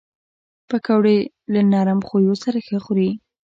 پکورې له نرم خویو سره ښه خوري